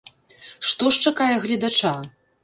Што ж чакае гледача?